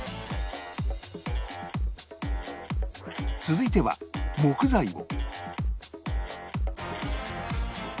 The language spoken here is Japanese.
続いては木材を